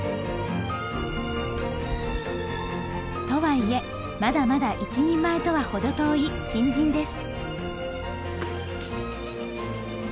とはいえまだまだ一人前とは程遠い新人です。